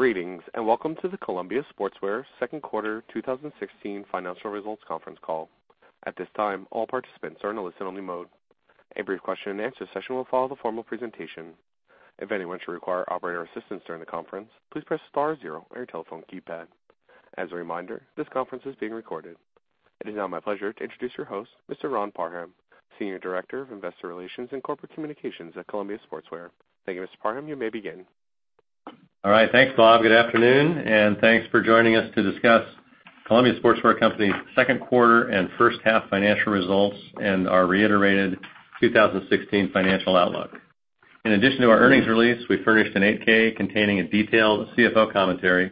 Greetings. Welcome to the Columbia Sportswear second quarter 2016 financial results conference call. At this time, all participants are in a listen-only mode. A brief question-and-answer session will follow the formal presentation. If anyone should require operator assistance during the conference, please press star zero on your telephone keypad. As a reminder, this conference is being recorded. It is now my pleasure to introduce your host, Mr. Ron Parham, Senior Director of Investor Relations and Corporate Communications at Columbia Sportswear. Thank you, Mr. Parham. You may begin. All right. Thanks, Bob. Good afternoon. Thanks for joining us to discuss Columbia Sportswear Company's second quarter and first-half financial results and our reiterated 2016 financial outlook. In addition to our earnings release, we furnished an 8-K containing a detailed CFO commentary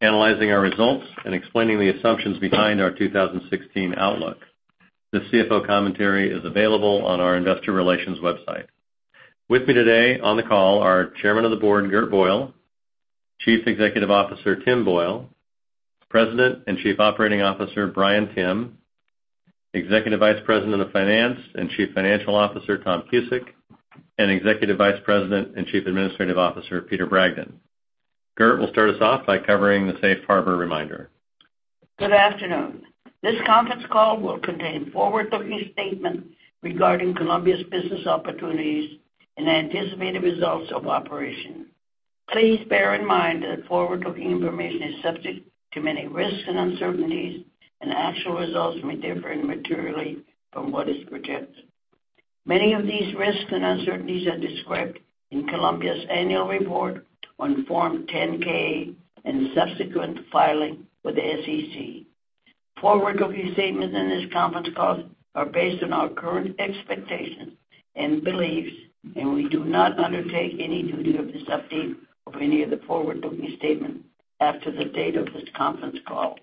analyzing our results and explaining the assumptions behind our 2016 outlook. This CFO commentary is available on our investor relations website. With me today on the call are Chairman of the Board, Gert Boyle, Chief Executive Officer, Tim Boyle, President and Chief Operating Officer, Bryan Timm, Executive Vice President of Finance and Chief Financial Officer, Tom Cusick, and Executive Vice President and Chief Administrative Officer, Peter Bragdon. Gert will start us off by covering the safe harbor reminder. Good afternoon. This conference call will contain forward-looking statements regarding Columbia's business opportunities and anticipated results of operation. Please bear in mind that forward-looking information is subject to many risks and uncertainties. Actual results may differ materially from what is projected. Many of these risks and uncertainties are described in Columbia's annual report on Form 10-K and subsequent filing with the SEC. Forward-looking statements in this conference call are based on our current expectations and beliefs. We do not undertake any duty of this update of any of the forward-looking statements after the date of this conference call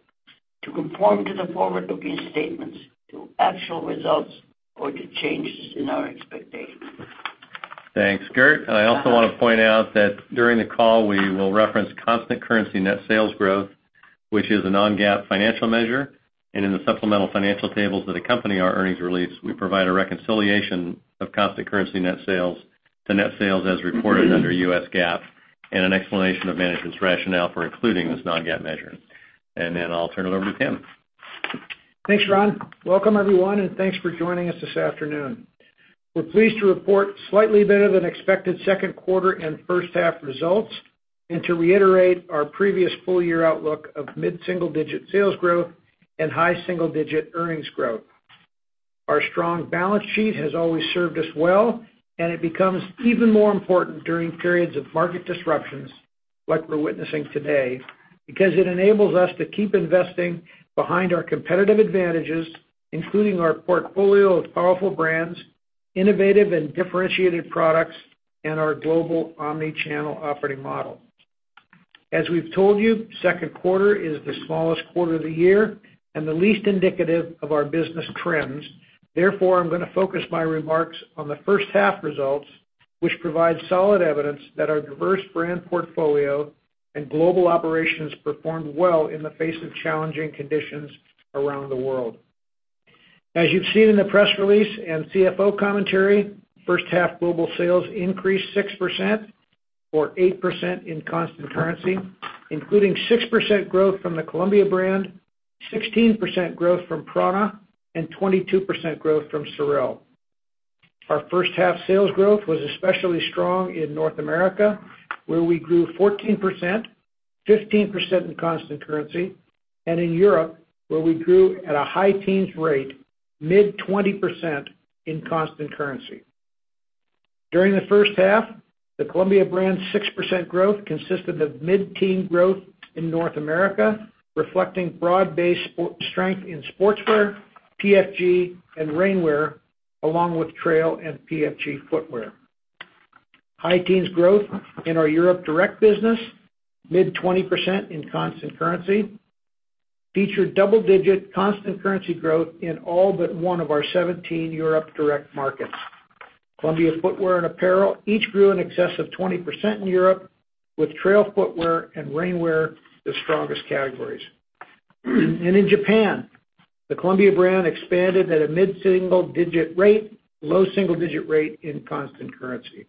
to conform to the forward-looking statements to actual results or to changes in our expectations. Thanks, Gert. I also want to point out that during the call, we will reference constant currency net sales growth, which is a non-GAAP financial measure, and in the supplemental financial tables that accompany our earnings release, we provide a reconciliation of constant currency net sales to net sales as reported under US GAAP and an explanation of management's rationale for including this non-GAAP measure. I'll turn it over to Tim. Thanks, Ron. Welcome everyone, and thanks for joining us this afternoon. We're pleased to report slightly better-than-expected second quarter and first-half results, and to reiterate our previous full-year outlook of mid-single-digit sales growth and high single-digit earnings growth. Our strong balance sheet has always served us well, and it becomes even more important during periods of market disruptions like we're witnessing today, because it enables us to keep investing behind our competitive advantages, including our portfolio of powerful brands, innovative and differentiated products, and our global omni-channel operating model. As we've told you, second quarter is the smallest quarter of the year and the least indicative of our business trends. Therefore, I'm going to focus my remarks on the first-half results, which provide solid evidence that our diverse brand portfolio and global operations performed well in the face of challenging conditions around the world. As you've seen in the press release and CFO commentary, first-half global sales increased 6% or 8% in constant currency, including 6% growth from the Columbia brand, 16% growth from prAna, and 22% growth from SOREL. Our first half sales growth was especially strong in North America, where we grew 14%, 15% in constant currency, and in Europe, where we grew at a high teens rate, mid 20% in constant currency. During the first half, the Columbia brand's 6% growth consisted of mid-teen growth in North America, reflecting broad-based strength in sportswear, PFG, and rainwear, along with trail and PFG footwear. High teens growth in our Europe direct business, mid 20% in constant currency, featured double-digit constant currency growth in all but one of our 17 Europe direct markets. Columbia footwear and apparel each grew in excess of 20% in Europe, with trail footwear and rainwear the strongest categories. In Japan, the Columbia brand expanded at a mid-single-digit rate, low single-digit rate in constant currency.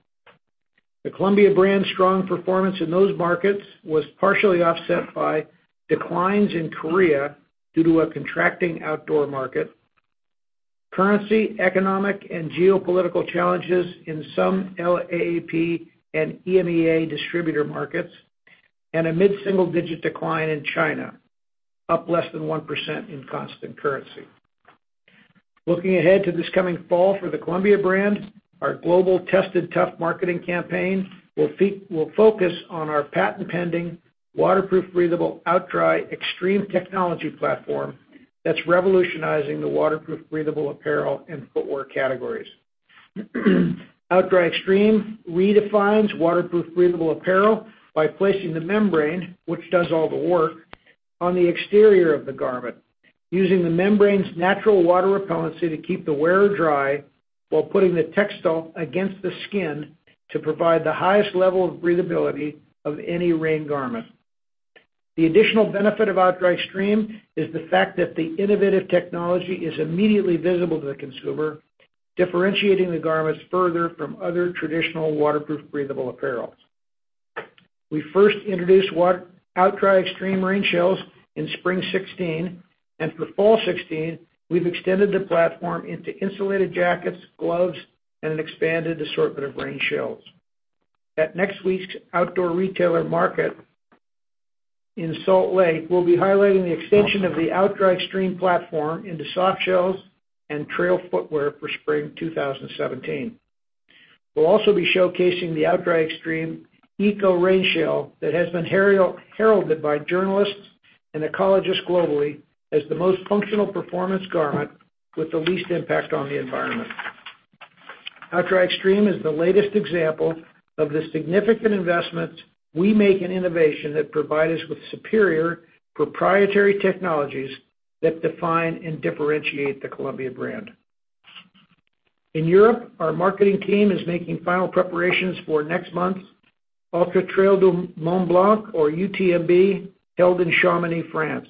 The Columbia brand's strong performance in those markets was partially offset by declines in Korea due to a contracting outdoor market, currency, economic, and geopolitical challenges in some LAAP and EMEA distributor markets, and a mid-single digit decline in China, up less than 1% in constant currency. Looking ahead to this coming fall for the Columbia brand, our global Tested Tough marketing campaign will focus on our patent-pending waterproof breathable OutDry Extreme technology platform that's revolutionizing the waterproof breathable apparel and footwear categories. OutDry Extreme redefines waterproof breathable apparel by placing the membrane, which does all the work, on the exterior of the garment, using the membrane's natural water repellency to keep the wearer dry while putting the textile against the skin to provide the highest level of breathability of any rain garment. The additional benefit of OutDry Extreme is the fact that the innovative technology is immediately visible to the consumer, differentiating the garments further from other traditional waterproof breathable apparel. We first introduced OutDry Extreme rain shells in spring 2016. For fall 2016, we've extended the platform into insulated jackets, gloves, and an expanded assortment of rain shells. At next week's Outdoor Retailer market in Salt Lake, we'll be highlighting the extension of the OutDry Extreme platform into soft shells and trail footwear for spring 2017. We'll also be showcasing the OutDry Extreme ECO Rain Shell that has been heralded by journalists and ecologists globally as the most functional performance garment with the least impact on the environment. OutDry Extreme is the latest example of the significant investments we make in innovation that provide us with superior proprietary technologies that define and differentiate the Columbia brand. In Europe, our marketing team is making final preparations for next month's Ultra-Trail du Mont-Blanc, or UTMB, held in Chamonix, France.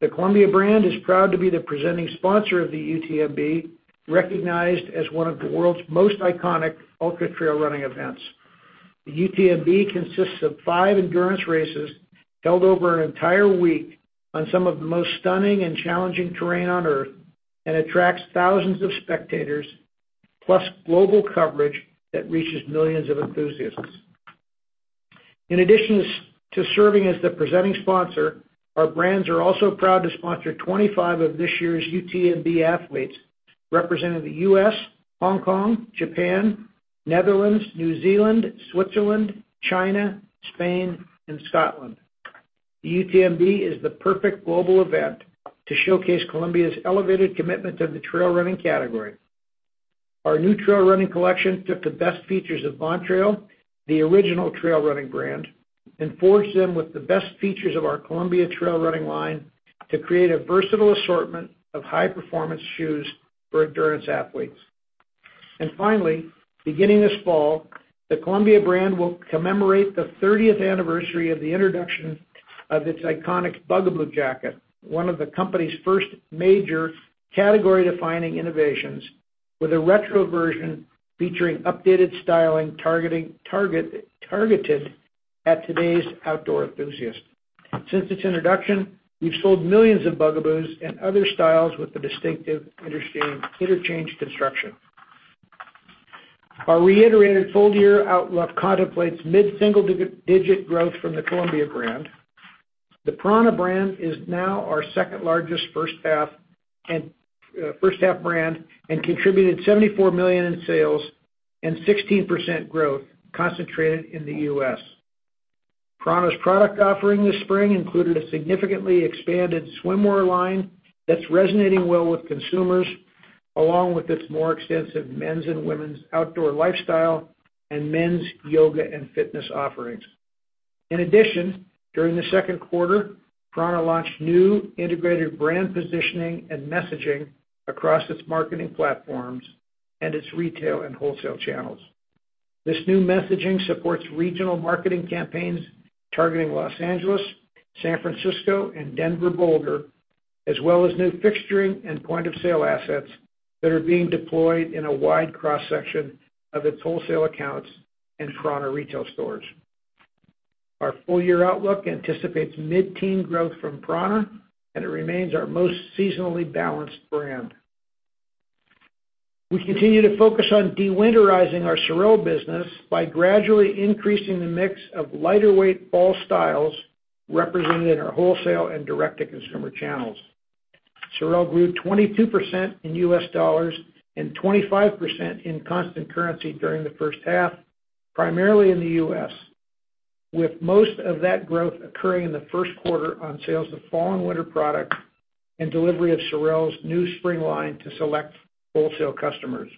The Columbia brand is proud to be the presenting sponsor of the UTMB, recognized as one of the world's most iconic ultra-trail running events. The UTMB consists of five endurance races held over an entire week on some of the most stunning and challenging terrain on Earth and attracts thousands of spectators, plus global coverage that reaches millions of enthusiasts. In addition to serving as the presenting sponsor, our brands are also proud to sponsor 25 of this year's UTMB athletes, representing the U.S., Hong Kong, Japan, Netherlands, New Zealand, Switzerland, China, Spain, and Scotland. The UTMB is the perfect global event to showcase Columbia's elevated commitment to the trail running category. Our new trail running collection took the best features of Montrail, the original trail running brand, and forged them with the best features of our Columbia trail running line to create a versatile assortment of high-performance shoes for endurance athletes. Finally, beginning this fall, the Columbia brand will commemorate the 30th anniversary of the introduction of its iconic Bugaboo jacket, one of the company's first major category-defining innovations, with a retro version featuring updated styling targeted at today's outdoor enthusiasts. Since its introduction, we've sold millions of Bugaboos and other styles with the distinctive interchange construction. Our reiterated full-year outlook contemplates mid-single-digit growth from the Columbia brand. The prAna brand is now our second-largest first-half brand and contributed $74 million in sales and 16% growth concentrated in the U.S. prAna's product offering this spring included a significantly expanded swimwear line that's resonating well with consumers, along with its more extensive men's and women's outdoor lifestyle and men's yoga and fitness offerings. In addition, during the second quarter, prAna launched new integrated brand positioning and messaging across its marketing platforms and its retail and wholesale channels. This new messaging supports regional marketing campaigns targeting L.A., San Francisco, and Denver-Boulder, as well as new fixturing and point-of-sale assets that are being deployed in a wide cross-section of its wholesale accounts and prAna retail stores. Our full-year outlook anticipates mid-teen growth from prAna, and it remains our most seasonally balanced brand. We continue to focus on de-winterizing our SOREL business by gradually increasing the mix of lighter-weight fall styles represented in our wholesale and direct-to-consumer channels. SOREL grew 22% in U.S. dollars and 25% in constant currency during the first half, primarily in the U.S., with most of that growth occurring in the first quarter on sales of fall and winter products and delivery of SOREL's new spring line to select wholesale customers.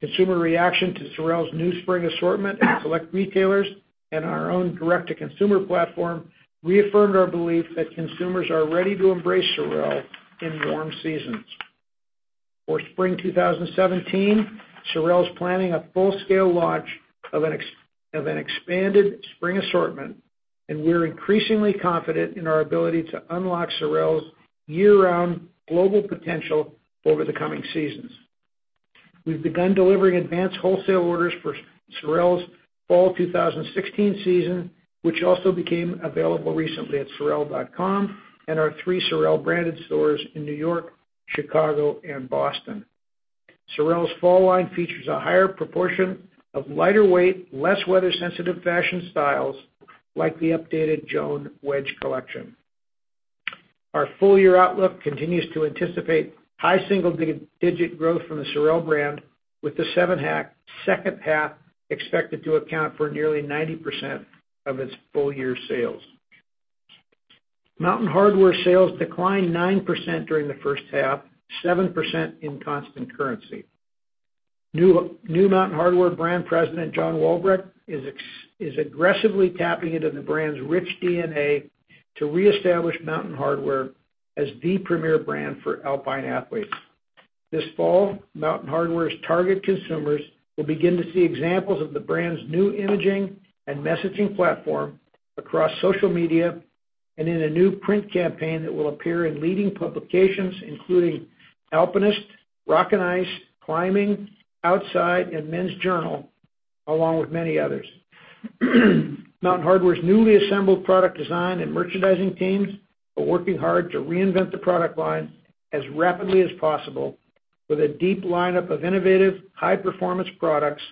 Consumer reaction to SOREL's new spring assortment at select retailers and our own direct-to-consumer platform reaffirmed our belief that consumers are ready to embrace SOREL in warm seasons. For spring 2017, SOREL's planning a full-scale launch of an expanded spring assortment, and we're increasingly confident in our ability to unlock SOREL's year-round global potential over the coming seasons. We've begun delivering advanced wholesale orders for SOREL's fall 2016 season, which also became available recently at sorel.com and our three SOREL branded stores in New York, Chicago, and Boston. SOREL's fall line features a higher proportion of lighter-weight, less weather-sensitive fashion styles, like the updated Joan wedge collection. Our full-year outlook continues to anticipate high single-digit growth from the SOREL brand, with the second half expected to account for nearly 90% of its full-year sales. Mountain Hardwear sales declined 9% during the first half, 7% in constant currency. New Mountain Hardwear brand president John Walbrecht is aggressively tapping into the brand's rich DNA to reestablish Mountain Hardwear as the premier brand for alpine athletes. This fall, Mountain Hardwear's target consumers will begin to see examples of the brand's new imaging and messaging platform across social media and in a new print campaign that will appear in leading publications, including "Alpinist," "Rock & Ice," "Climbing," "Outside," and "Men's Journal," along with many others. Mountain Hardwear's newly assembled product design and merchandising teams are working hard to reinvent the product line as rapidly as possible with a deep lineup of innovative, high-performance products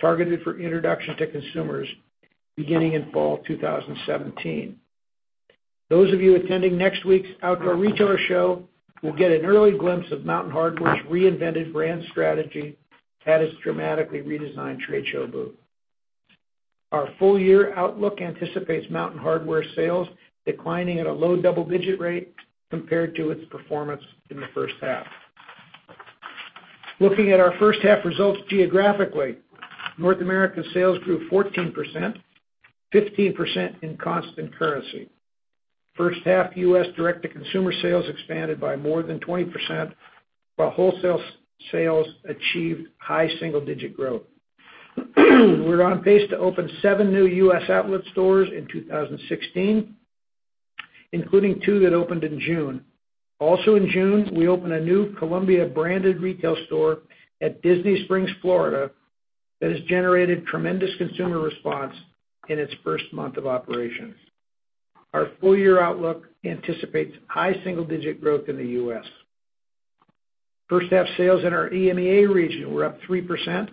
targeted for introduction to consumers beginning in fall 2017. Those of you attending next week's Outdoor Retailer show will get an early glimpse of Mountain Hardwear's reinvented brand strategy at its dramatically redesigned trade show booth. Our full-year outlook anticipates Mountain Hardwear sales declining at a low double-digit rate compared to its performance in the first half. Looking at our first half results geographically, North America sales grew 14%, 15% in constant currency. First half U.S. direct-to-consumer sales expanded by more than 20%, while wholesale sales achieved high single-digit growth. We're on pace to open seven new U.S. outlet stores in 2016, including two that opened in June. Also in June, we opened a new Columbia-branded retail store at Disney Springs, Florida, that has generated tremendous consumer response in its first month of operations. Our full-year outlook anticipates high single-digit growth in the U.S. First half sales in our EMEA region were up 3%,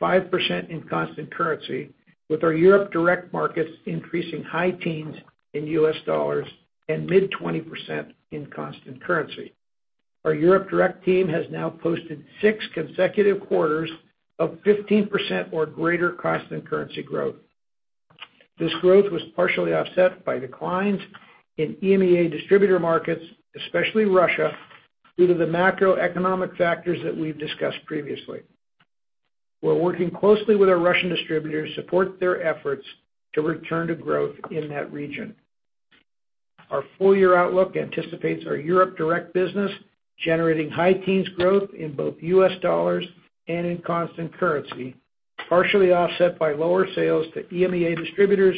5% in constant currency, with our Europe direct markets increasing high teens in U.S. dollars and mid-20% in constant currency. Our Europe direct team has now posted six consecutive quarters of 15% or greater constant currency growth. This growth was partially offset by declines in EMEA distributor markets, especially Russia, due to the macroeconomic factors that we've discussed previously. We're working closely with our Russian distributors to support their efforts to return to growth in that region. Our full-year outlook anticipates our Europe direct business generating high teens growth in both U.S. dollars and in constant currency, partially offset by lower sales to EMEA distributors,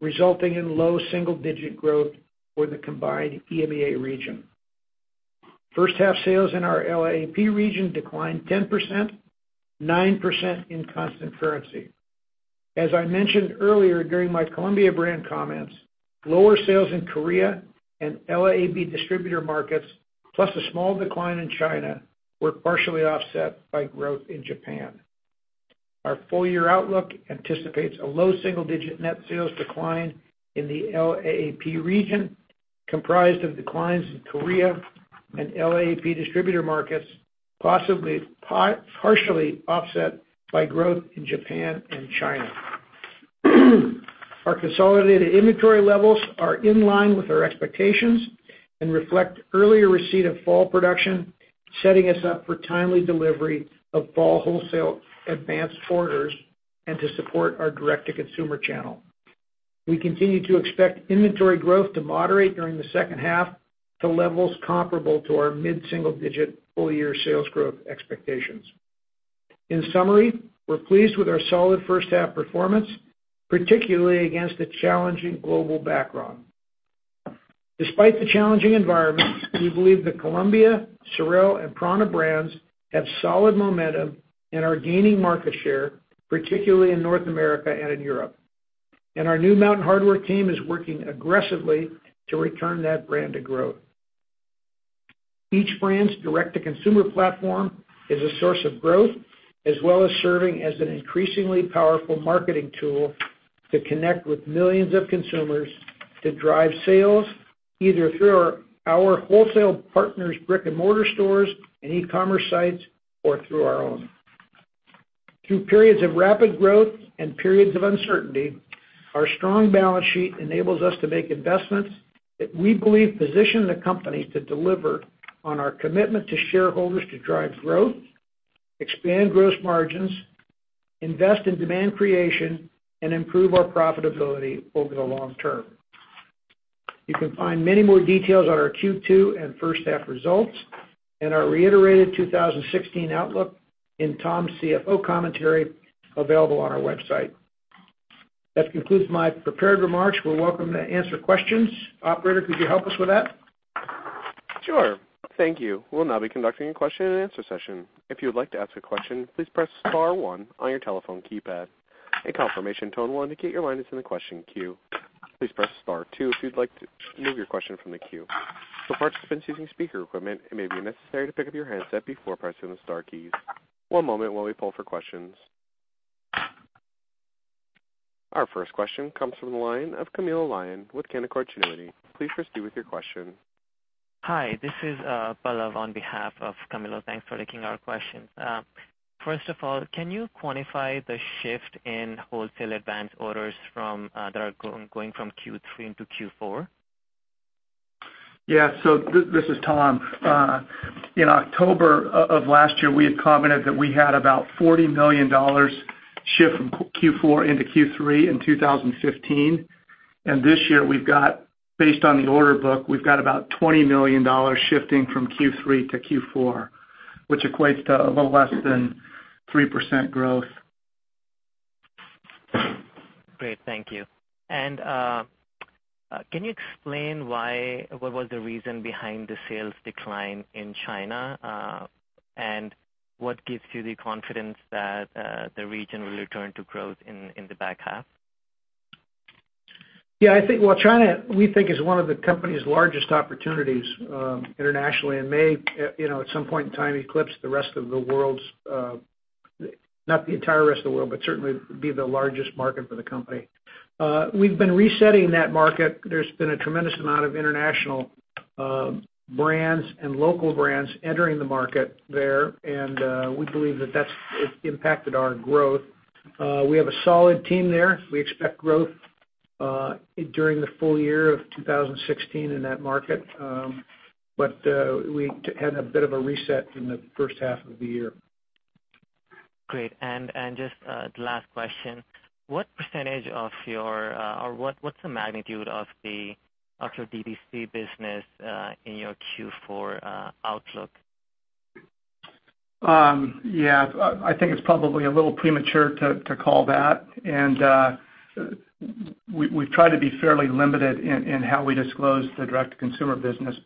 resulting in low double-digit growth for the combined EMEA region. First half sales in our LAAP region declined 10%, 9% in constant currency. As I mentioned earlier during my Columbia brand comments, lower sales in Korea and LAAP distributor markets, plus a small decline in China, were partially offset by growth in Japan. Our full-year outlook anticipates a low single-digit net sales decline in the LAAP region, comprised of declines in Korea and LAAP distributor markets, partially offset by growth in Japan and China. Our consolidated inventory levels are in line with our expectations and reflect earlier receipt of fall production, setting us up for timely delivery of fall wholesale advanced orders and to support our direct-to-consumer channel. We continue to expect inventory growth to moderate during the second half to levels comparable to our mid-single-digit full-year sales growth expectations. In summary, we are pleased with our solid first half performance, particularly against a challenging global background. Despite the challenging environment, we believe the Columbia, SOREL, and prAna brands have solid momentum and are gaining market share, particularly in North America and in Europe. Our new Mountain Hardwear team is working aggressively to return that brand to growth. Each brand's direct-to-consumer platform is a source of growth, as well as serving as an increasingly powerful marketing tool to connect with millions of consumers to drive sales either through our wholesale partners' brick-and-mortar stores and e-commerce sites or through our own. Through periods of rapid growth and periods of uncertainty, our strong balance sheet enables us to make investments that we believe position the company to deliver on our commitment to shareholders to drive growth, expand gross margins, invest in demand creation, and improve our profitability over the long term. You can find many more details on our Q2 and first half results and our reiterated 2016 outlook in Tom's CFO commentary available on our website. That concludes my prepared remarks. We are welcome to answer questions. Operator, could you help us with that? Sure. Thank you. We will now be conducting a question-and-answer session. If you would like to ask a question, please press star one on your telephone keypad. A confirmation tone will indicate your line is in the question queue. Please press star two if you would like to remove your question from the queue. For participants using speaker equipment, it may be necessary to pick up your handset before pressing the star keys. One moment while we poll for questions. Our first question comes from the line of Camilo Lyon with Canaccord Genuity. Please proceed with your question. Hi. This is Pallav on behalf of Camilo. Thanks for taking our question. First of all, can you quantify the shift in wholesale advance orders that are going from Q3 into Q4? This is Tom. In October of last year, we had commented that we had about $40 million shift from Q4 into Q3 in 2015. This year, based on the order book, we've got about $20 million shifting from Q3 to Q4, which equates to a little less than 3% growth. Great. Thank you. Can you explain what was the reason behind the sales decline in China? What gives you the confidence that the region will return to growth in the back half? China, we think, is one of the company's largest opportunities internationally and may, at some point in time, eclipse the rest of the world's, not the entire rest of the world, but certainly be the largest market for the company. We've been resetting that market. There's been a tremendous amount of international brands and local brands entering the market there, and we believe that that's impacted our growth. We have a solid team there. We expect growth during the full year of 2016 in that market. We had a bit of a reset in the first half of the year. Great. Just the last question. What's the magnitude of your DTC business in your Q4 outlook? I think it's probably a little premature to call that. We've tried to be fairly limited in how we disclose the DTC business.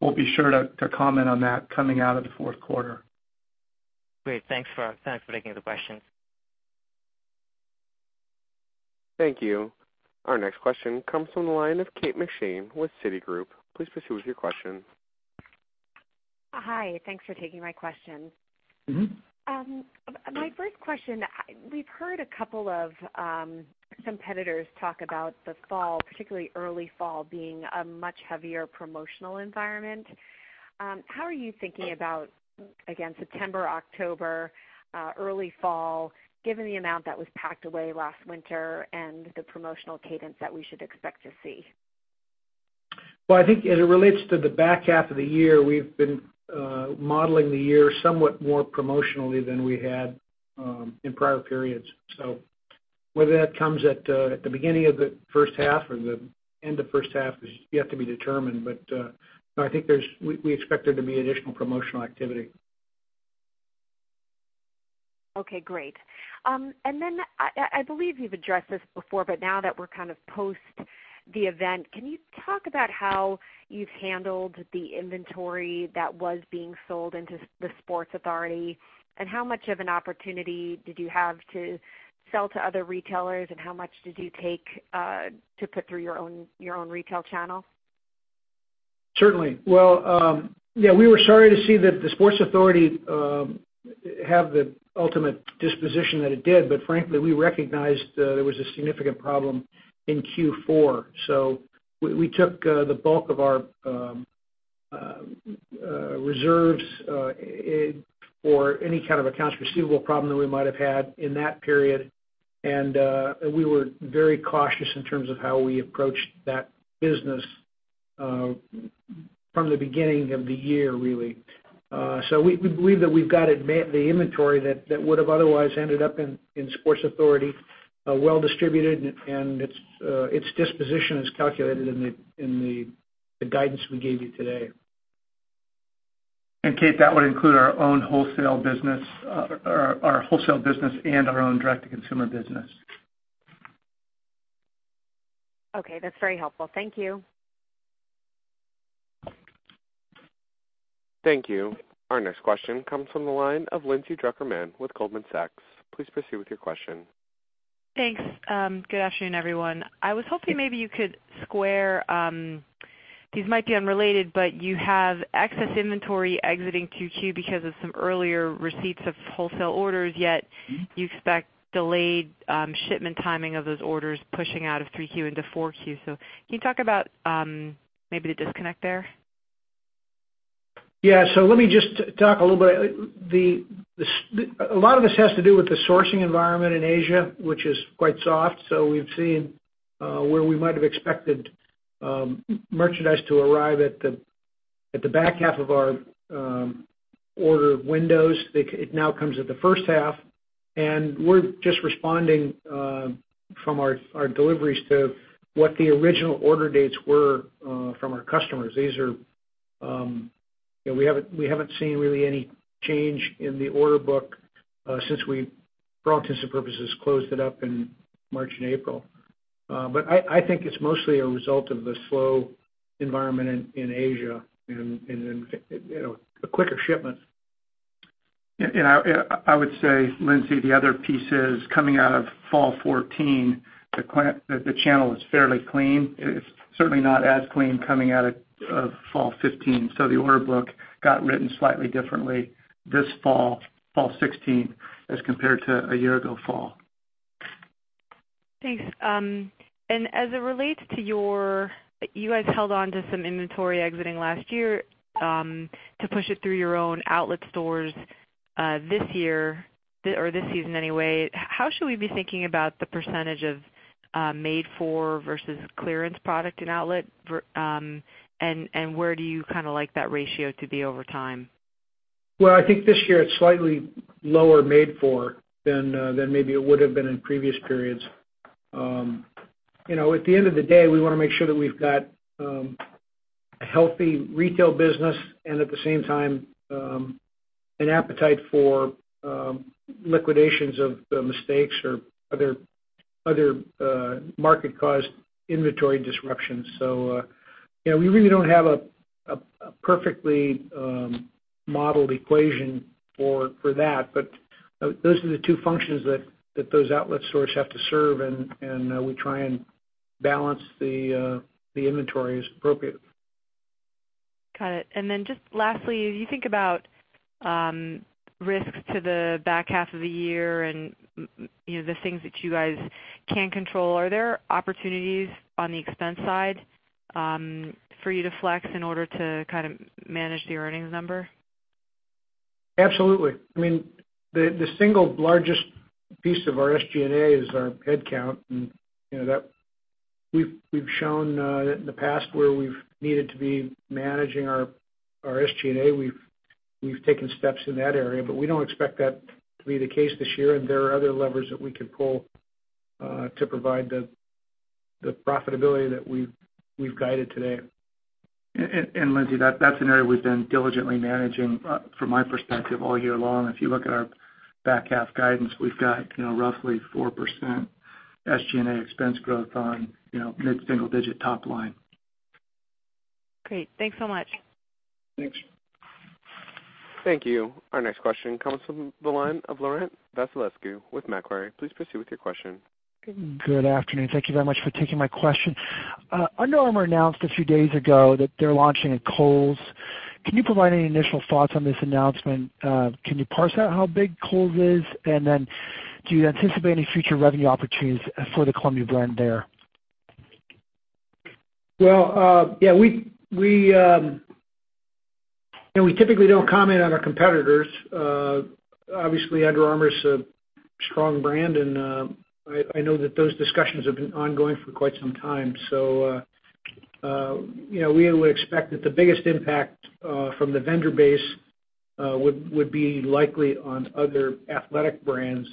We'll be sure to comment on that coming out of the fourth quarter. Great. Thanks for taking the question. Thank you. Our next question comes from the line of Kate McShane with Citigroup. Please proceed with your question. Hi. Thanks for taking my questions. My first question, we've heard a couple of competitors talk about the fall, particularly early fall, being a much heavier promotional environment. How are you thinking about, again, September, October, early fall, given the amount that was packed away last winter and the promotional cadence that we should expect to see? Well, I think as it relates to the back half of the year, we've been modeling the year somewhat more promotionally than we had in prior periods. Whether that comes at the beginning of the first half or the end of first half is yet to be determined. I think we expect there to be additional promotional activity. Okay, great. Then, I believe you've addressed this before, now that we're post the event, can you talk about how you've handled the inventory that was being sold into The Sports Authority? How much of an opportunity did you have to sell to other retailers, and how much did you take to put through your own retail channel? Certainly. Well, yeah, we were sorry to see that The Sports Authority have the ultimate disposition that it did. Frankly, we recognized there was a significant problem in Q4. We took the bulk of our reserves for any kind of accounts receivable problem that we might have had in that period. We were very cautious in terms of how we approached that business from the beginning of the year, really. We believe that we've got the inventory that would have otherwise ended up in Sports Authority well distributed, and its disposition is calculated in the guidance we gave you today. Kate, that would include our wholesale business and our own direct-to-consumer business. Okay. That's very helpful. Thank you. Thank you. Our next question comes from the line of Lindsay Drucker Mann with Goldman Sachs. Please proceed with your question. Thanks. Good afternoon, everyone. I was hoping maybe you could square, these might be unrelated, but you have excess inventory exiting Q2 because of some earlier receipts of wholesale orders, yet you expect delayed shipment timing of those orders pushing out of 3Q into 4Q. Can you talk about maybe the disconnect there? Yeah. Let me just talk a little bit. A lot of this has to do with the sourcing environment in Asia, which is quite soft. We've seen where we might have expected merchandise to arrive at the back half of our order windows. It now comes at the first half, and we're just responding from our deliveries to what the original order dates were from our customers. We haven't seen really any change in the order book since we, for all intents and purposes, closed it up in March and April. I think it's mostly a result of the slow environment in Asia and a quicker shipment. I would say, Lindsay, the other piece is coming out of fall 2014, the channel was fairly clean. It's certainly not as clean coming out of fall 2015. The order book got written slightly differently this fall 2016, as compared to a year ago fall. Thanks. As it relates to your. You guys held onto some inventory exiting last year to push it through your own outlet stores this year or this season anyway. How should we be thinking about the % of Made for versus clearance product in outlet. Where do you like that ratio to be over time? I think this year it's slightly lower made for than maybe it would have been in previous periods. At the end of the day, we want to make sure that we've got a healthy retail business and at the same time an appetite for liquidations of the mistakes or other market-caused inventory disruptions. We really don't have a perfectly modeled equation for that. Those are the two functions that those outlet stores have to serve, and we try and balance the inventory as appropriate. Got it. Just lastly, as you think about risks to the back half of the year and the things that you guys can control, are there opportunities on the expense side for you to flex in order to kind of manage the earnings number? Absolutely. The single largest piece of our SG&A is our headcount. We've shown in the past where we've needed to be managing our SG&A. We've taken steps in that area. We don't expect that to be the case this year. There are other levers that we can pull to provide the profitability that we've guided today. Lindsay, that's an area we've been diligently managing from my perspective all year long. If you look at our back half guidance, we've got roughly 4% SG&A expense growth on mid-single digit top line. Great. Thanks so much. Thanks. Thank you. Our next question comes from the line of Laurent Vasilescu with Macquarie. Please proceed with your question. Good afternoon. Thank you very much for taking my question. Under Armour announced a few days ago that they're launching at Kohl's. Can you provide any initial thoughts on this announcement? Can you parse out how big Kohl's is? Do you anticipate any future revenue opportunities for the Columbia brand there? Well, we typically don't comment on our competitors. Obviously, Under Armour is a strong brand, and I know that those discussions have been ongoing for quite some time. We would expect that the biggest impact from the vendor base would be likely on other athletic brands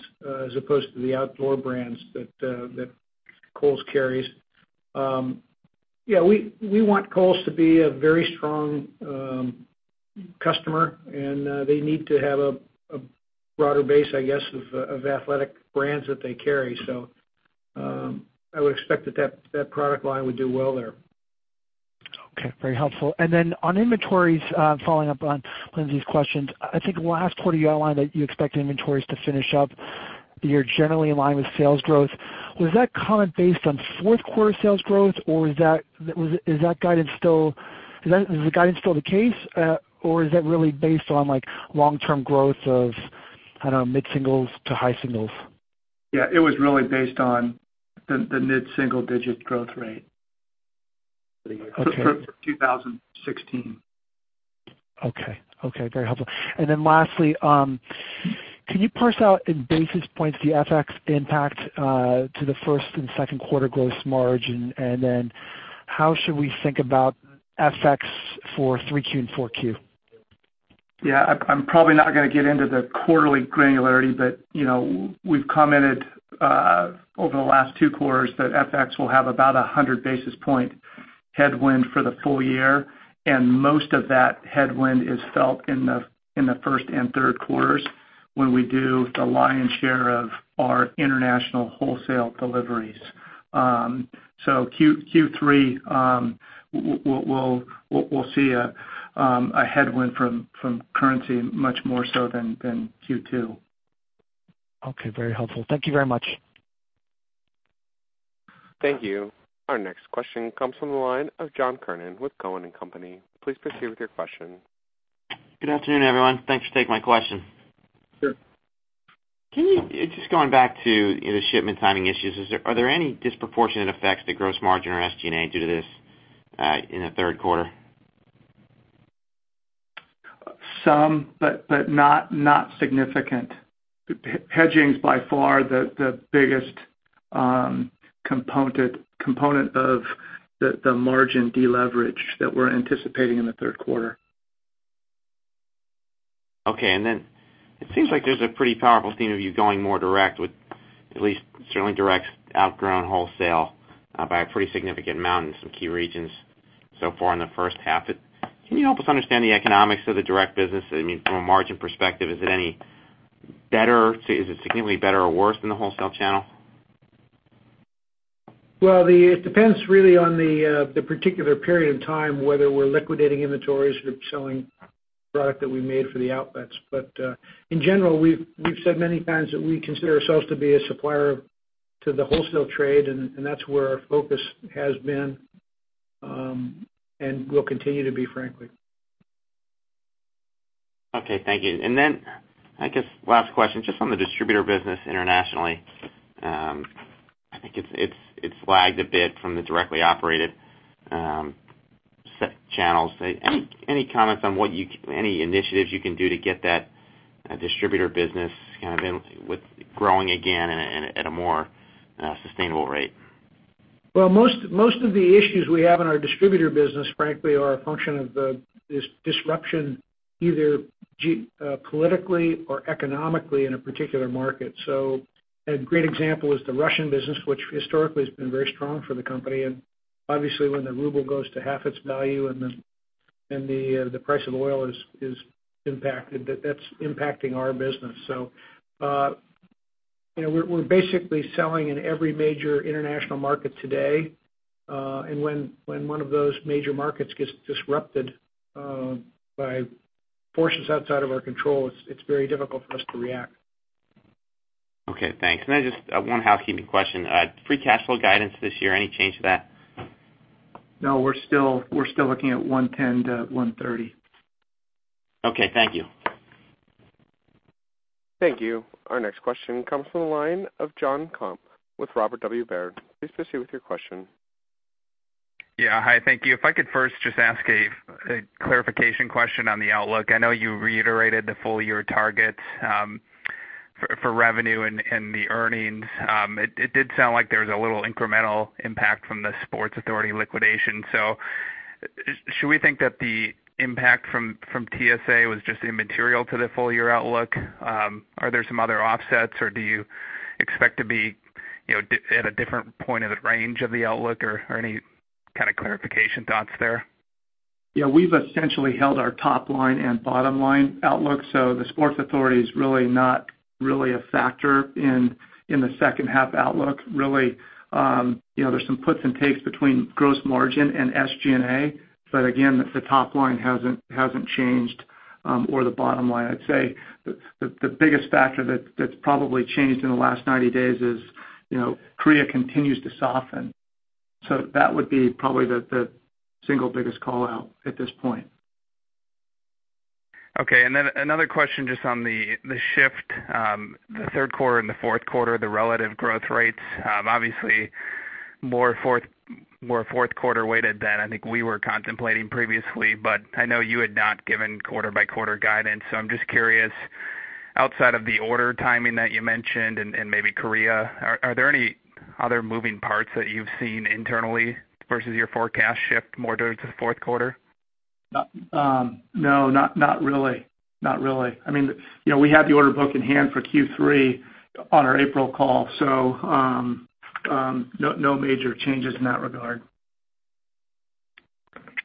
as opposed to the outdoor brands that Kohl's carries. We want Kohl's to be a very strong customer, and they need to have a broader base, I guess, of athletic brands that they carry. I would expect that product line would do well there. Okay. Very helpful. On inventories, following up on Lindsay's questions, I think last quarter, you outlined that you expect inventories to finish up. You're generally in line with sales growth. Was that comment based on fourth quarter sales growth, or is the guidance still the case, or is that really based on long-term growth of, I don't know, mid-singles to high singles? It was really based on the mid-single digit growth rate- Okay for 2016. Okay. Very helpful. Lastly, can you parse out in basis points the FX impact to the first and second quarter gross margin, then how should we think about FX for 3Q and 4Q? I'm probably not going to get into the quarterly granularity, but we've commented over the last two quarters that FX will have about 100 basis point headwind for the full year, and most of that headwind is felt in the first and third quarters when we do the lion's share of our international wholesale deliveries. Q3, we'll see a headwind from currency much more so than Q2. Okay. Very helpful. Thank you very much. Thank you. Our next question comes from the line of John Kernan with Cowen and Company. Please proceed with your question. Good afternoon, everyone. Thanks for taking my question. Sure. Just going back to the shipment timing issues, are there any disproportionate effects to gross margin or SG&A due to this in the third quarter? Some, but not significant. Hedging is by far the biggest component of the margin deleverage that we're anticipating in the third quarter. Okay. It seems like there's a pretty powerful theme of you going more direct with at least certainly direct outgrown wholesale by a pretty significant amount in some key regions so far in the first half. Can you help us understand the economics of the direct business? From a margin perspective, is it any better? Is it significantly better or worse than the wholesale channel? It depends really on the particular period of time, whether we're liquidating inventories or selling product that we made for the outlets. In general, we've said many times that we consider ourselves to be a supplier to the wholesale trade, and that's where our focus has been, and will continue to be, frankly. Okay. Thank you. I guess last question, just on the distributor business internationally. I think it's lagged a bit from the directly operated business DTC channels. Any comments on any initiatives you can do to get that distributor business growing again at a more sustainable rate? Well, most of the issues we have in our distributor business, frankly, are a function of the disruption, either politically or economically, in a particular market. A great example is the Russian business, which historically has been very strong for the company. Obviously, when the ruble goes to half its value and the price of oil is impacted, that's impacting our business. We're basically selling in every major international market today. When one of those major markets gets disrupted by forces outside of our control, it's very difficult for us to react. Okay, thanks. Then just one housekeeping question. Free cash flow guidance this year, any change to that? No, we're still looking at $110 million-$130 million. Okay. Thank you. Thank you. Our next question comes from the line of Jonathan Komp with Robert W. Baird. Please proceed with your question. Yeah. Hi, thank you. If I could first just ask a clarification question on the outlook. I know you reiterated the full-year targets for revenue and the earnings. It did sound like there was a little incremental impact from the Sports Authority liquidation. Should we think that the impact from TSA was just immaterial to the full-year outlook? Are there some other offsets, do you expect to be at a different point of the range of the outlook or any kind of clarification thoughts there? Yeah. We've essentially held our top-line and bottom-line outlook, the Sports Authority is really not really a factor in the second half outlook. Really, there's some puts and takes between gross margin and SG&A. Again, the top line hasn't changed or the bottom line. I'd say the biggest factor that's probably changed in the last 90 days is Korea continues to soften. That would be probably the single biggest call-out at this point. Okay. Another question just on the shift. The third quarter and the fourth quarter, the relative growth rates, obviously more fourth quarter weighted than I think we were contemplating previously. I know you had not given quarter by quarter guidance. I'm just curious, outside of the order timing that you mentioned and maybe Korea, are there any other moving parts that you've seen internally versus your forecast shift more towards the fourth quarter? No, not really. I mean, we had the order book in hand for Q3 on our April call, no major changes in that regard.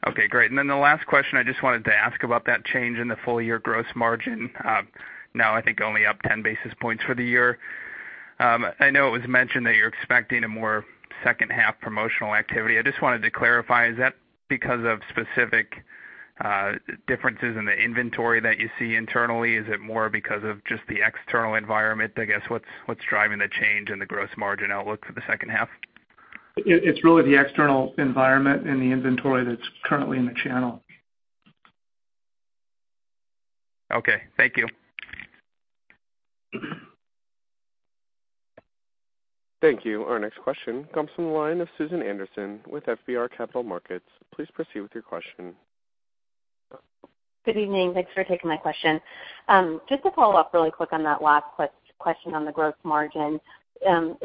Okay, great. The last question, I just wanted to ask about that change in the full-year gross margin. I think only up 10 basis points for the year. I know it was mentioned that you're expecting a more second half promotional activity. I just wanted to clarify, is that because of specific differences in the inventory that you see internally? Is it more because of just the external environment? I guess, what's driving the change in the gross margin outlook for the second half? It's really the external environment and the inventory that's currently in the channel. Okay. Thank you. Thank you. Our next question comes from the line of Susan Anderson with FBR Capital Markets. Please proceed with your question. Good evening. Thanks for taking my question. Just to follow up really quick on that last question on the gross margin.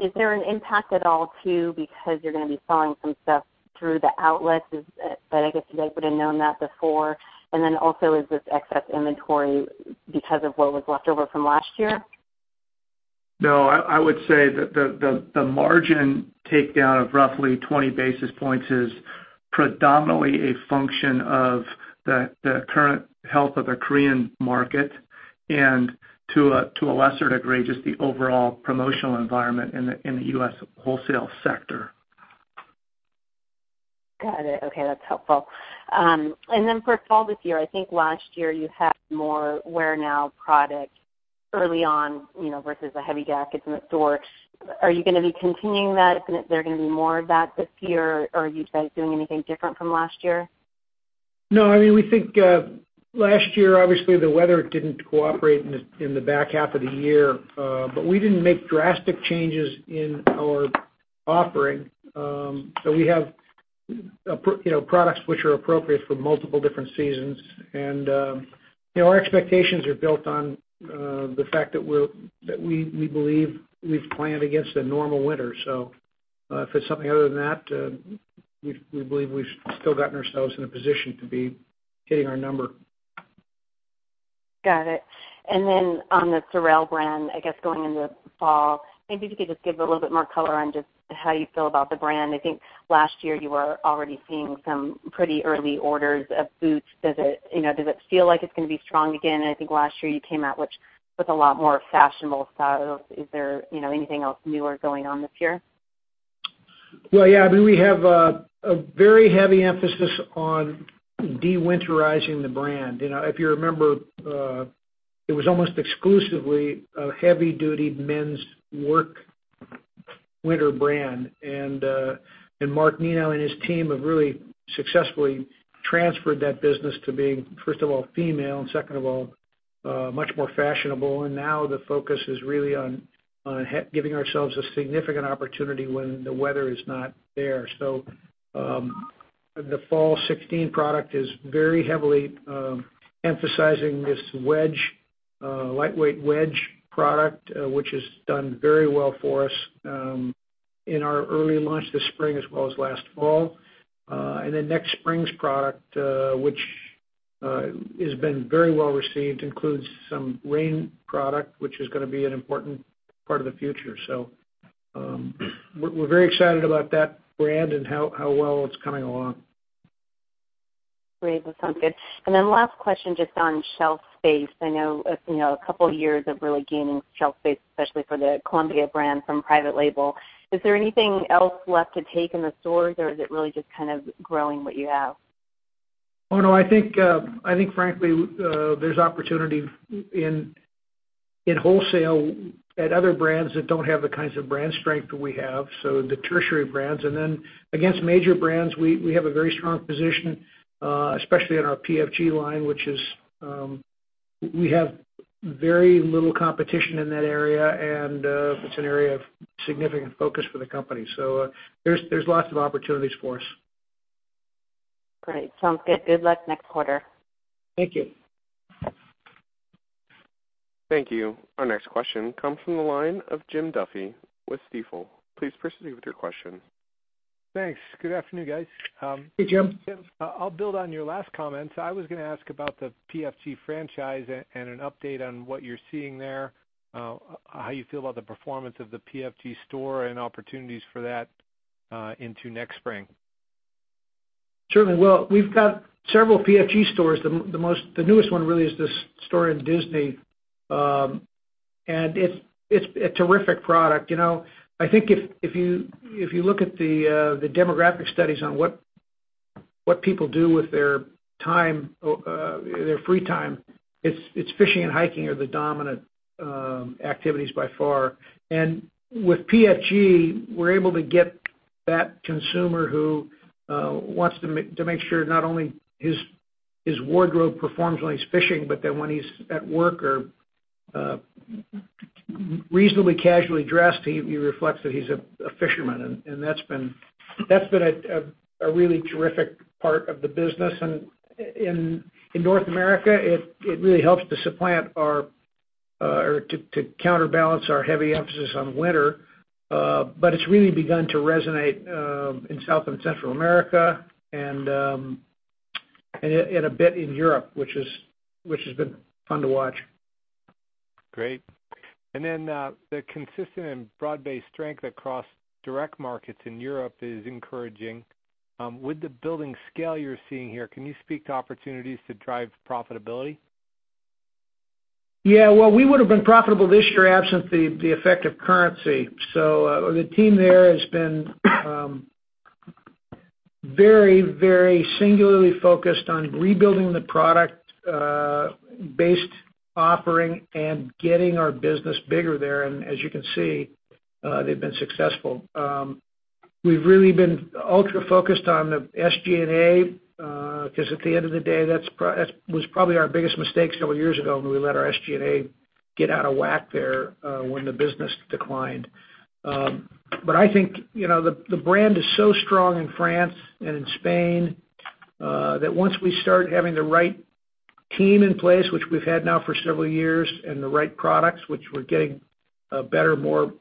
Is there an impact at all too because you're going to be selling some stuff through the outlets, but I guess you guys would've known that before. Is this excess inventory because of what was left over from last year? No, I would say that the margin takedown of roughly 20 basis points is predominantly a function of the current health of the Korean market and to a lesser degree, just the overall promotional environment in the U.S. wholesale sector. Got it. Okay, that's helpful. For fall this year, I think last year you had more wear-now product early on versus the heavy jackets in the store. Are you going to be continuing that? Is there going to be more of that this year, or are you guys doing anything different from last year? I mean, we think last year, obviously, the weather didn't cooperate in the back half of the year. We didn't make drastic changes in our offering. We have products which are appropriate for multiple different seasons. Our expectations are built on the fact that we believe we've planned against a normal winter. If it's something other than that, we believe we've still gotten ourselves in a position to be hitting our number. Got it. On the SOREL brand, I guess going into fall, maybe if you could just give a little bit more color on just how you feel about the brand. I think last year you were already seeing some pretty early orders of boots. Does it feel like it's going to be strong again? I think last year you came out with a lot more fashionable styles. Is there anything else newer going on this year? I mean, we have a very heavy emphasis on de-winterizing the brand. If you remember, it was almost exclusively a heavy-duty men's work winter brand. Mark Nenow and his team have really successfully transferred that business to being, first of all, female and second of all much more fashionable. Now the focus is really on giving ourselves a significant opportunity when the weather is not there. The fall 2016 product is very heavily emphasizing this wedge, lightweight wedge product, which has done very well for us in our early launch this spring as well as last fall. Next spring's product, which has been very well received, includes some rain product, which is going to be an important part of the future. We're very excited about that brand and how well it's coming along. Great. That sounds good. Last question just on shelf space. I know a couple of years of really gaining shelf space, especially for the Columbia brand from private label. Is there anything else left to take in the stores, or is it really just growing what you have? Oh, no. I think, frankly, there's opportunity in wholesale at other brands that don't have the kinds of brand strength that we have, so the tertiary brands. Then against major brands, we have a very strong position, especially on our PFG line, we have very little competition in that area, and it's an area of significant focus for the company. There's lots of opportunities for us. Great. Sounds good. Good luck next quarter. Thank you. Thank you. Our next question comes from the line of Jim Duffy with Stifel. Please proceed with your question. Thanks. Good afternoon, guys. Hey, Jim. Jim, I'll build on your last comments. I was going to ask about the PFG franchise and an update on what you're seeing there, how you feel about the performance of the PFG store and opportunities for that into next spring. Certainly. Well, we've got several PFG stores. The newest one really is the store in Disney. It's a terrific product. I think if you look at the demographic studies on what people do with their free time, it's fishing and hiking are the dominant activities by far. With PFG, we're able to get that consumer who wants to make sure not only his wardrobe performs when he's fishing, but that when he's at work or reasonably casually dressed, he reflects that he's a fisherman. That's been a really terrific part of the business. In North America, it really helps to supplant or to counterbalance our heavy emphasis on winter. It's really begun to resonate in South and Central America and a bit in Europe, which has been fun to watch. Great. The consistent and broad-based strength across direct markets in Europe is encouraging. With the building scale you're seeing here, can you speak to opportunities to drive profitability? Yeah. Well, we would've been profitable this year absent the effect of currency. The team there has been very singularly focused on rebuilding the product-based offering and getting our business bigger there. As you can see, they've been successful. We've really been ultra-focused on the SG&A, because at the end of the day, that was probably our biggest mistakes several years ago when we let our SG&A get out of whack there when the business declined. I think, the brand is so strong in France and in Spain, that once we start having the right team in place, which we've had now for several years, and the right products, which we're getting better, more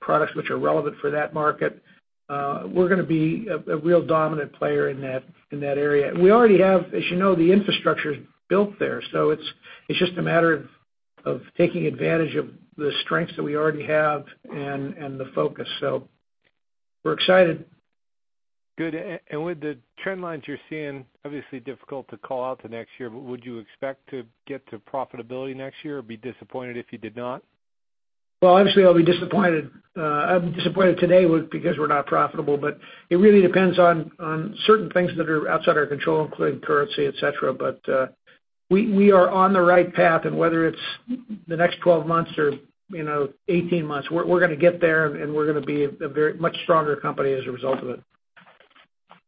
products which are relevant for that market, we're going to be a real dominant player in that area. We already have, as you know, the infrastructure's built there. It's just a matter of taking advantage of the strengths that we already have and the focus. We're excited. Good. With the trend lines you're seeing, obviously difficult to call out to next year, would you expect to get to profitability next year or be disappointed if you did not? Well, obviously, I'll be disappointed. I'm disappointed today because we're not profitable. It really depends on certain things that are outside our control, including currency, et cetera. We are on the right path and whether it's the next 12 months or 18 months, we're going to get there, and we're going to be a much stronger company as a result of it.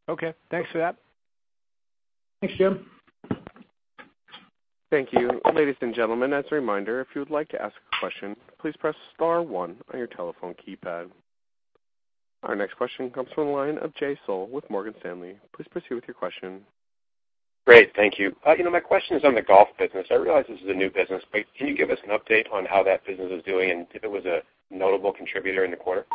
Okay. Thanks for that. Thanks, Jim. Thank you. Ladies and gentlemen, as a reminder, if you would like to ask a question, please press *1 on your telephone keypad. Our next question comes from the line of Jay Sole with Morgan Stanley. Please proceed with your question. Great. Thank you. My question is on the golf business. I realize this is a new business, but can you give us an update on how that business is doing and if it was a notable contributor in the quarter?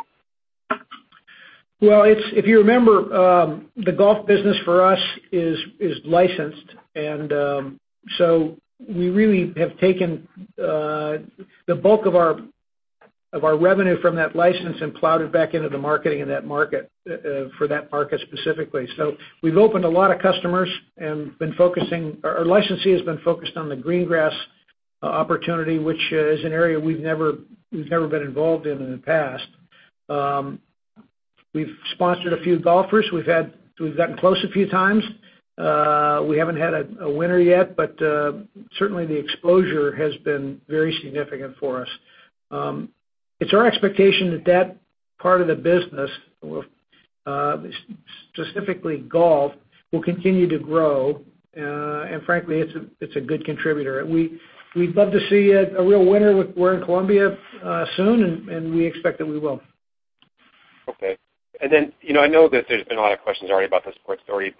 Well, if you remember, the golf business for us is licensed. We really have taken the bulk of our revenue from that license and plowed it back into the marketing for that market specifically. We've opened a lot of customers and been focused, our licensee has been focused on the green grass opportunity, which is an area we've never been involved in in the past. We've sponsored a few golfers. We've gotten close a few times. We haven't had a winner yet, but certainly the exposure has been very significant for us. It's our expectation that that part of the business will Specifically golf will continue to grow, and frankly, it's a good contributor. We'd love to see a real winner with Wear Columbia soon, and we expect that we will. Okay. I know that there's been a lot of questions already about the sports story,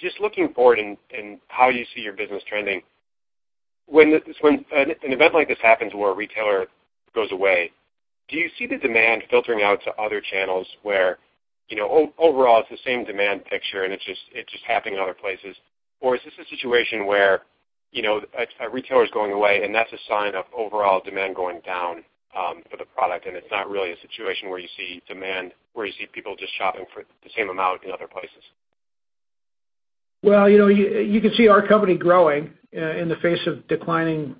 just looking forward and how you see your business trending, when an event like this happens where a retailer goes away, do you see the demand filtering out to other channels where overall it's the same demand picture and it's just happening in other places? Is this a situation where a retailer's going away, and that's a sign of overall demand going down for the product, and it's not really a situation where you see people just shopping for the same amount in other places? Well, you can see our company growing in the face of declining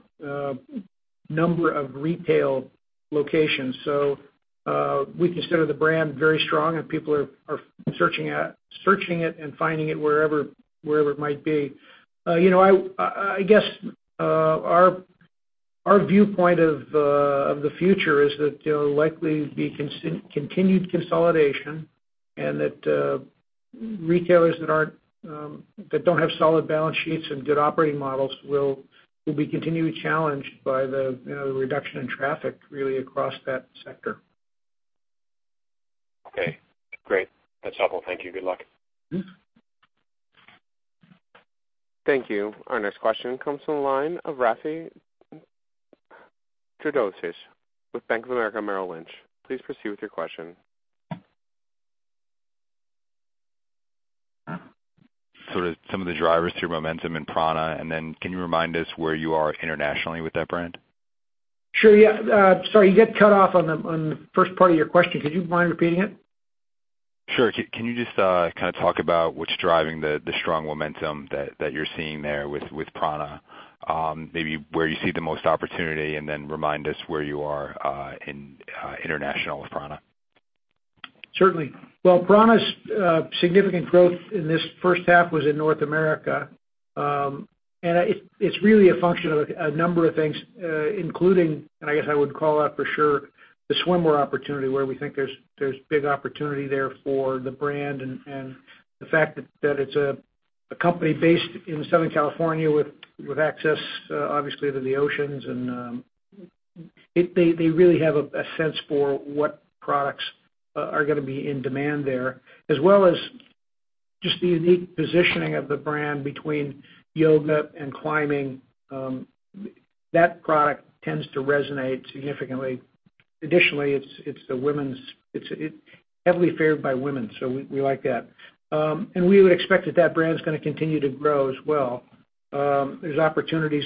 number of retail locations. We consider the brand very strong and people are searching it and finding it wherever it might be. I guess, our viewpoint of the future is that there'll likely be continued consolidation and that retailers that don't have solid balance sheets and good operating models will be continually challenged by the reduction in traffic, really across that sector. Okay, great. That's helpful. Thank you. Good luck. Thank you. Our next question comes from the line of Rafe Jadrosich with Bank of America Merrill Lynch. Please proceed with your question. Sort of some of the drivers to your momentum in prAna, and then can you remind us where you are internationally with that brand? Sure. Yeah. Sorry, you got cut off on the first part of your question. Could you mind repeating it? Sure. Can you just talk about what's driving the strong momentum that you're seeing there with prAna? Maybe where you see the most opportunity, and then remind us where you are in international with prAna. Certainly. Well, prAna's significant growth in this first half was in North America. It's really a function of a number of things, including, and I guess I would call out for sure, the swimwear opportunity where we think there's big opportunity there for the brand and the fact that it's a company based in Southern California with access, obviously, to the oceans and they really have a sense for what products are gonna be in demand there. As well as just the unique positioning of the brand between yoga and climbing. That product tends to resonate significantly. Additionally, it's heavily favored by women, so we like that. We would expect that brand's gonna continue to grow as well. There's opportunities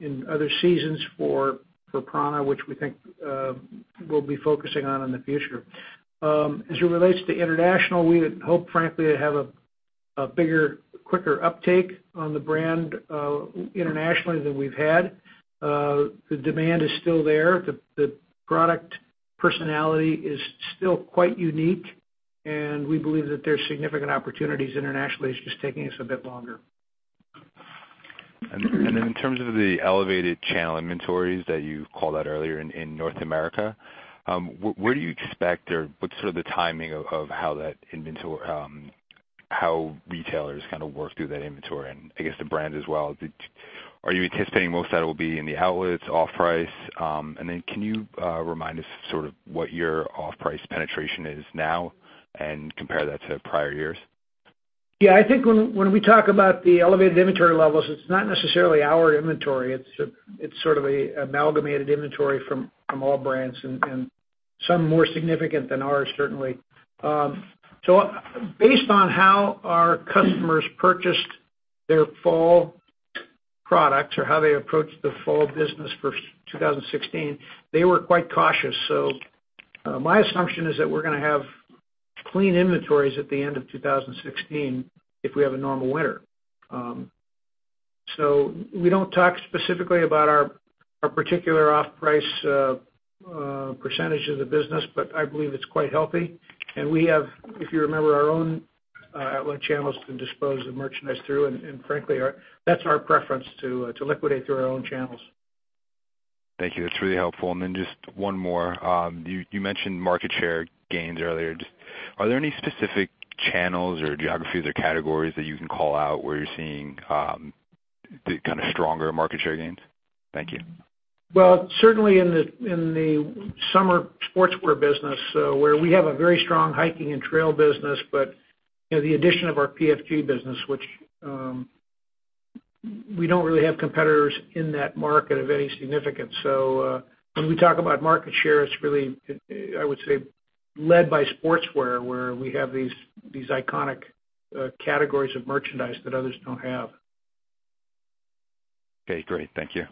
in other seasons for prAna, which we think we'll be focusing on in the future. As it relates to international, we had hoped, frankly, to have a bigger, quicker uptake on the brand internationally than we've had. The demand is still there. The product personality is still quite unique, and we believe that there's significant opportunities internationally. It's just taking us a bit longer. In terms of the elevated channel inventories that you called out earlier in North America, where do you expect or what's sort of the timing of how retailers kind of work through that inventory and I guess the brand as well? Are you anticipating most of that will be in the outlets off-price? Can you remind us sort of what your off-price penetration is now and compare that to prior years? I think when we talk about the elevated inventory levels, it's not necessarily our inventory. It's sort of an amalgamated inventory from all brands and some more significant than ours, certainly. Based on how our customers purchased their fall products or how they approached the fall business for 2016, they were quite cautious. My assumption is that we're gonna have clean inventories at the end of 2016 if we have a normal winter. We don't talk specifically about our particular off-price percentage of the business, but I believe it's quite healthy. We have, if you remember, our own outlet channels to dispose the merchandise through, and frankly, that's our preference to liquidate through our own channels. Thank you. That's really helpful. Just one more. You mentioned market share gains earlier. Are there any specific channels or geographies or categories that you can call out where you're seeing the kind of stronger market share gains? Thank you. Well, certainly in the summer sportswear business, where we have a very strong hiking and trail business, the addition of our PFG business, which we don't really have competitors in that market of any significance. When we talk about market share, it's really, I would say, led by sportswear where we have these iconic categories of merchandise that others don't have. Okay, great. Thank you.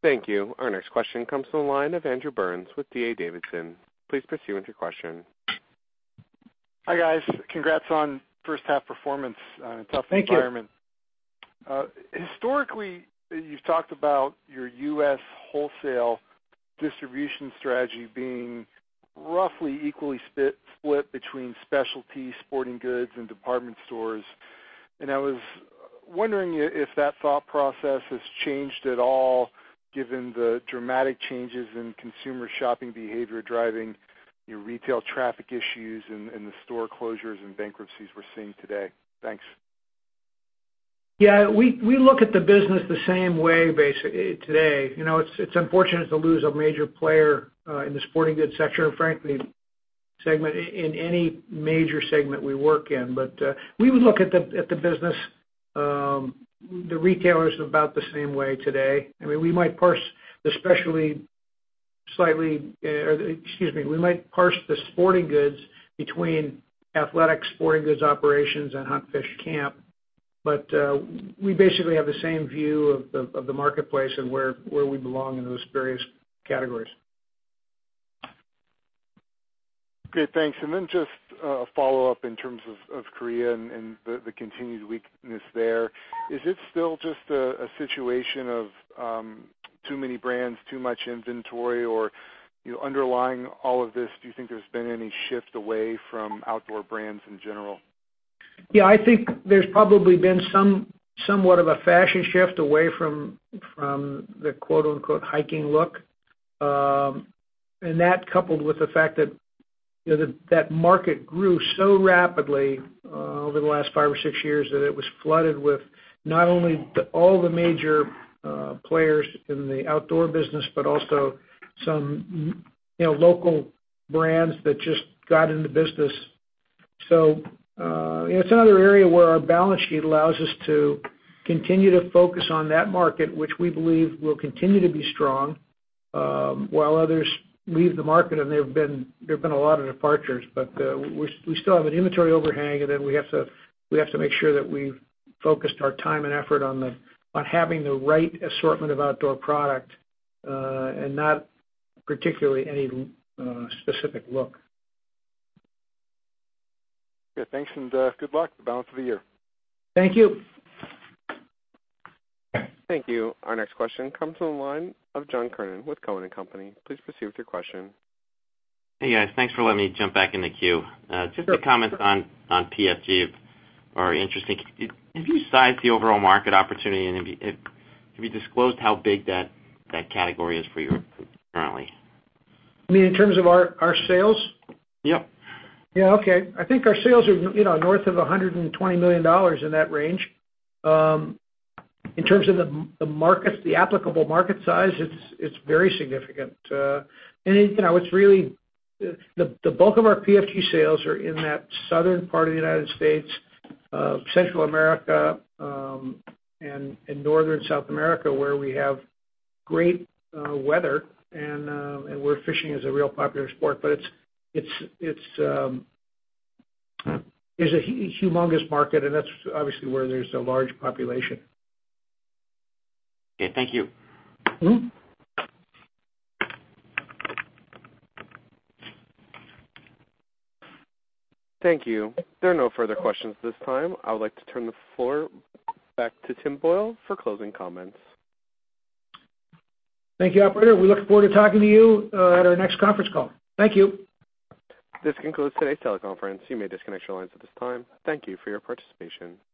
Thank you. Our next question comes from the line of Andrew Burns with D.A. Davidson. Please proceed with your question. Hi, guys. Congrats on first half performance in a tough environment. Thank you. Historically, you've talked about your U.S. wholesale distribution strategy being roughly equally split between specialty sporting goods and department stores. I was wondering if that thought process has changed at all given the dramatic changes in consumer shopping behavior driving your retail traffic issues and the store closures and bankruptcies we're seeing today. Thanks. Yeah, we look at the business the same way today. It's unfortunate to lose a major player in the sporting goods sector, frankly, segment in any major segment we work in. We would look at the business, the retailers about the same way today. We might parse the sporting goods between athletic sporting goods operations and hunt, fish, camp. We basically have the same view of the marketplace and where we belong in those various categories. Great. Thanks. Then just a follow-up in terms of Korea and the continued weakness there. Is it still just a situation of too many brands, too much inventory, or underlying all of this, do you think there's been any shift away from outdoor brands in general? Yeah, I think there's probably been somewhat of a fashion shift away from the quote-unquote, hiking look. That coupled with the fact that market grew so rapidly over the last five or six years, that it was flooded with not only all the major players in the outdoor business, but also some local brands that just got in the business. It's another area where our balance sheet allows us to continue to focus on that market, which we believe will continue to be strong, while others leave the market, and there have been a lot of departures. We still have an inventory overhang, we have to make sure that we've focused our time and effort on having the right assortment of outdoor product, and not particularly any specific look. Yeah, thanks and good luck with the balance of the year. Thank you. Thank you. Our next question comes from the line of John Kernan with Cowen and Company. Please proceed with your question. Hey, guys. Thanks for letting me jump back in the queue. Sure. Just a comment on PFG. Very interesting. Can you size the overall market opportunity? Have you disclosed how big that category is for you currently? You mean in terms of our sales? Yep. Yeah. Okay. I think our sales are north of $120 million, in that range. In terms of the applicable market size, it's very significant. The bulk of our PFG sales are in that southern part of the U.S., Central America, and Northern South America, where we have great weather and where fishing is a real popular sport. It's a humongous market, and that's obviously where there's a large population. Okay. Thank you. Thank you. There are no further questions at this time. I would like to turn the floor back to Tim Boyle for closing comments. Thank you, operator. We look forward to talking to you at our next conference call. Thank you. This concludes today's teleconference. You may disconnect your lines at this time. Thank you for your participation.